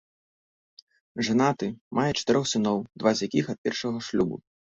Жанаты, мае чатырох сыноў, два з якіх ад першага шлюбу.